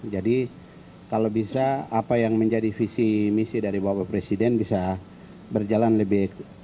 jadi kalau bisa apa yang menjadi visi misi dari bapak presiden bisa berjalan lebih ekstrem